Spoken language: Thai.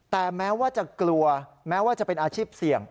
แต่แม้ว่าจะกลัวแม้ว่าจะเป็นอาชีพเสี่ยง